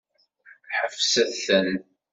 Ḥebset-ten!